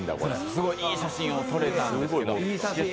すごいいい写真が撮れたんですけど。